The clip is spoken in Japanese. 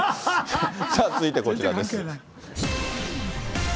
続いてこちらです。